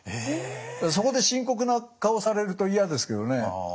そこで深刻な顔されると嫌ですけどね。